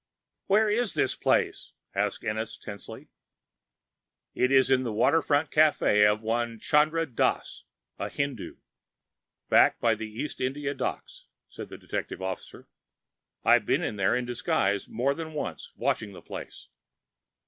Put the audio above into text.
"Where is the place?" asked Ennis tensely. "It is the waterfront café of one Chandra Dass, a Hindoo, down by East India Docks," said the detective officer. "I've been there in disguise more than once, watching the place.